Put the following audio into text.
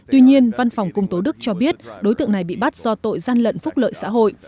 tuy nhiên văn phòng công tố đức cho biết đối tượng này bị bắt do tội gian lận phúc lợi xã hội